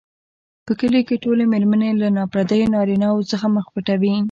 په کلیو کې ټولې مېرمنې له نا پردیو نارینوو څخه مخ پټوي.